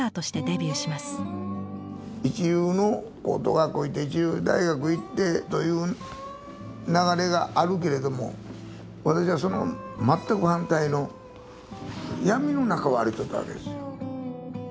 一流の高等学校行って一流大学行ってという流れがあるけれども私はその全く反対の闇の中を歩いとったわけですよ。